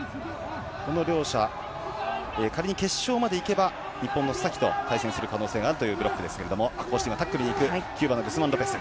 この両者仮に決勝まで行けば日本の須崎と対戦する可能性があるブロックですが今、タックルに行くキューバのグスマン・ロペス。